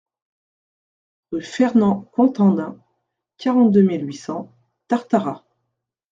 Rue Fernand Contandin, quarante-deux mille huit cents Tartaras